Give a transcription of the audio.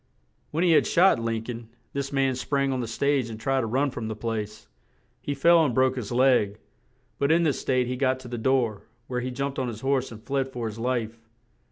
When he had shot Lin coln, this man sprang on the stage and tried to run from the place; he fell and broke his leg; but in this state he got to the door, where he jumped on his horse and fled for his life.